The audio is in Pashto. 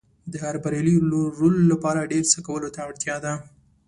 د هر بریالي رول لپاره ډېر څه کولو ته اړتیا ده.